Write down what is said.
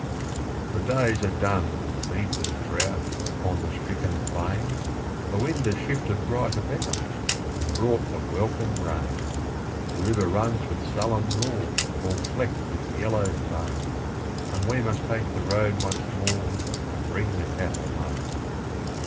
..... The days are done of heat and drought Upon the stricken plain; The wind has shifted right about, And brought the welcome rain; The river runs with sullen roar, All flecked with yellow foam, And we must take the road once more, To bring the cattle home.